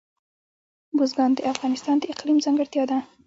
بزګان د افغانستان د اقلیم ځانګړتیا ده.